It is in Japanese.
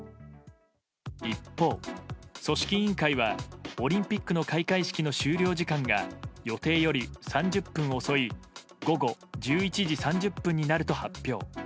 一方、組織委員会はオリンピックの開会式の終了時間が予定より３０分遅い午後１１時３０分になると発表。